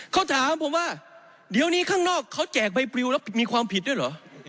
เขาถามผมว่าเดี๋ยวนี้ข้างนอกเขาแจกใบปริวแล้วมีความผิดด้วยเหรอ